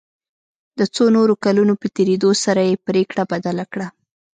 د څو نورو کلونو په تېرېدو سره یې پريکړه بدله کړه.